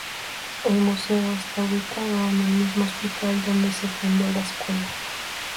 El museo está ubicado en el mismo hospital donde se fundó la escuela.